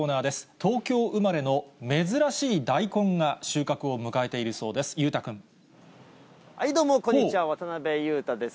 東京生まれの珍しい大根が、収穫を迎えているそうです。